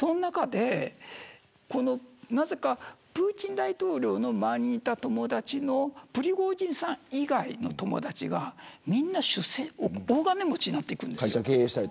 なぜか、プーチン大統領の周りにいた友達のプリゴジンさん以外の友達がみんな出世して大金持ちになっていくんです。